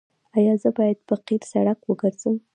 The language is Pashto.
ایا زه باید په قیر سړک وګرځم؟